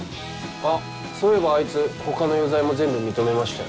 あっそういえばあいつ他の余罪も全部認めましたよ。